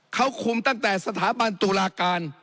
เขาคุมตั้งแต่สถาบันตุลาการ